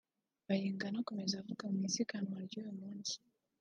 Bayingana akomeza avuga ko mu isiganwa ry’uyu munsi